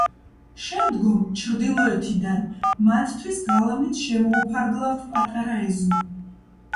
შემდგომ, ჩრდილოეთიდან, მათთვის გალავნით შემოუფარგლავთ პატარა ეზო.